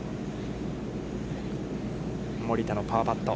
森田のパーパット。